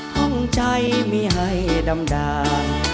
ห้องใจมีให้ดำดาล